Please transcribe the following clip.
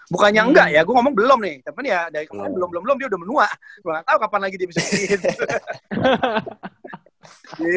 bukannya enggak ya gue ngomong belum nih temen ya dari kemarin belum belum dia udah menua gue gak tau kapan lagi dia bisa gitu